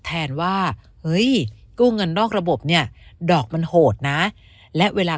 แทนว่าเฮ้ยกู้เงินนอกระบบเนี่ยดอกมันโหดนะและเวลา